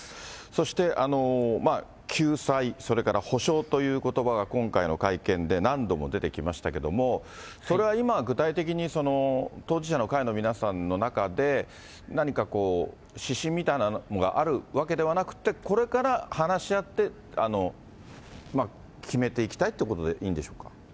そして救済、それから補償ということばが、今回の会見で何度も出てきましたけれども、それは今、具体的に、当事者の会の皆さんの中で、何か指針みたいなのがあるわけではなくって、これから話し合って、決めていきたいということでいいんでしょうか。